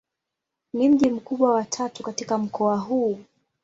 Ni mji mkubwa wa tatu katika mkoa huu.